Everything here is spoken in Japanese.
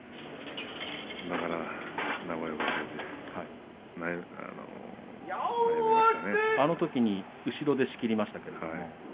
だから名古屋場所であのときは後ろで仕切りましたね。